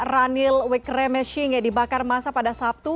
ranil wickremeshing yang dibakar masa pada sabtu